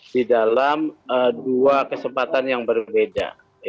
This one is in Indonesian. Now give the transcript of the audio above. di dalam dua kesempatan yang berbeda